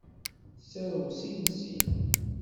Tettarew sin sin.